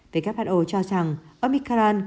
who cho rằng omicron